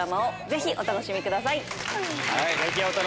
ぜひお楽しみください。